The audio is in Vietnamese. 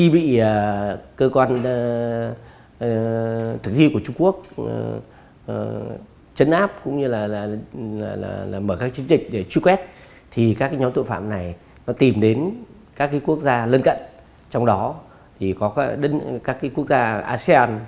đối với các quốc gia lân cận trong đó có các quốc gia asean